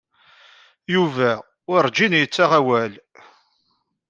Yuba werǧin yettaɣ awal.